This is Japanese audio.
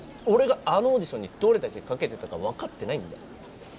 俺があのオーディションにどれだけ懸けてたか分かってないんだよ。